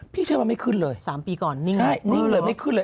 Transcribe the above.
พี่เชิญว่าไม่ขึ้นเลย๓ปีก่อนนิ่งเลยไม่ขึ้นเลย